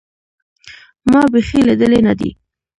ما بيخي ليدلى نه دى.